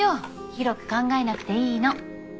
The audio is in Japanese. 広く考えなくていいの。